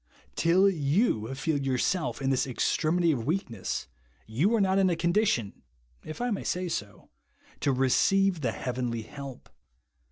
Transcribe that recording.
Till you feel yourself in this extremity of weakness, ycu are not in a condition (if I may say so) to receive the heavenly help.